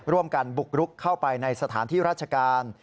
ร่วมกันบุกรุกเข้าไปในสถานที่ราชการ